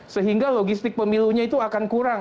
sehingga logistik pemilunya itu akan kurang